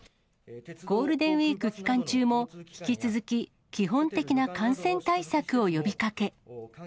ゴールデンウィーク期間中も、引き続き基本的な感染対策を呼びかけ。